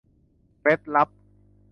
เคล็ดลับ